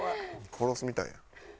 殺すみたいやん。